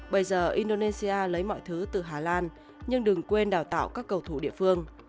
bây giờ indonesia lấy mọi thứ từ hà lan nhưng đừng quên đào tạo các cầu thủ địa phương